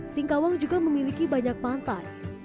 singkawang juga memiliki banyak pantai